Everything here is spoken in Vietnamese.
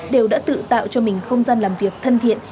đều đã tự tạo cho mình không gian làm việc thân thiện